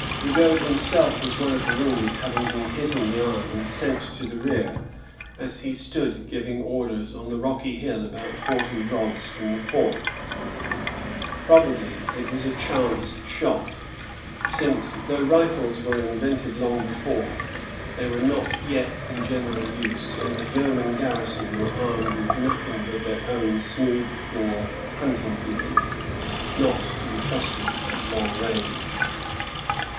Rigaud himself was one of the wounded, having been hit in the arm and sent to the rear, as he stood giving orders on the rocky hill about forty rods from the fort. Probably it was a chance shot, since, though rifles were invented long before, they were not yet in general use, and the yeoman garrison were armed with nothing but their own smooth bore hunting pieces, not to be trusted at long range.